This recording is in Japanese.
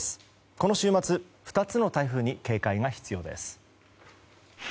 この週末２つの台風に警戒が必要です。